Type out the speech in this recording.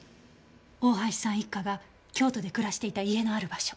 大橋さん一家が京都で暮らしていた家のある場所。